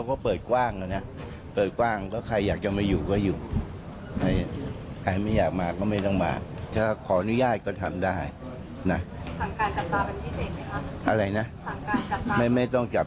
ก็ว่าไปตามนั้น